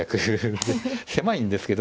狭いんですけど。